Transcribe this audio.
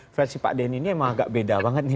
versi pak denny ini emang agak beda banget nih